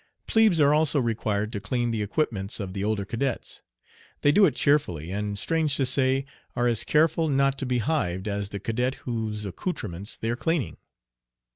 Plebes are also required to clean the equipments of the older cadets. They do it cheerfully, and, strange to say, are as careful not to be "hived" as the cadet whose accoutrements they are cleaning.